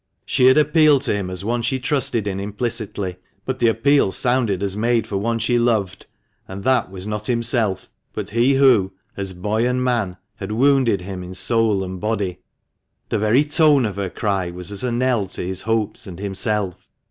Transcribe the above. She had appealed to him as one she trusted in implicitly ; but the appeal sounded as made for one she loved, and that was not himself, but he who, as boy and man, had wounded him in soul and body. The very tone of her cry was as a knell to his hopes and himself.